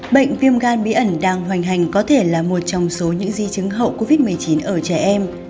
bệnh viêm gan bí ẩn đang hoành hành có thể là một trong số những di chứng hậu covid một mươi chín ở trẻ em